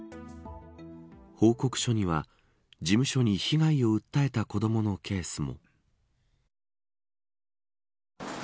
報告書には事務所に被害を訴えた子どものケースも。